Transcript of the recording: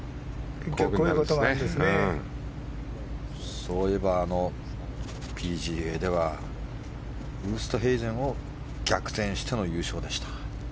そういえばＰＧＡではウーストヘイゼンを逆転しての優勝でした。